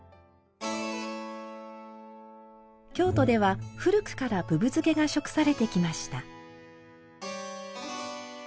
京都では古くからぶぶ漬けが食されてきました。